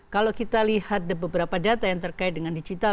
kalau kita lihat beberapa data yang terkait dengan digital